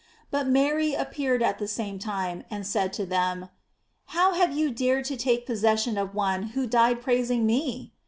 But Mary appeared at the Fame time, and said to them: "How have you dared to take possession of one who died praising me?"